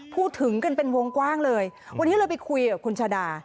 พูดถึงกันเป็นวงกว้างเลยวันนี้เราไปคุยกับคุณชาดา